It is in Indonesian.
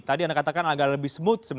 tadi anda katakan agak lebih smooth